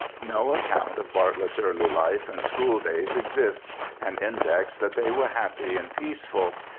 No account of Bartlett's early life and school days exists — an index that they were happy and peaceful.